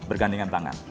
kita bergandingan tangan